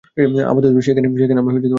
আপাতত সেইখানে আমরা আশ্রয় লইলাম।